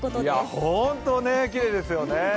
ホントきれいですよね。